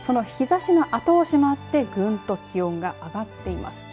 その日ざしの後押しもあってぐんと気温が上がっています。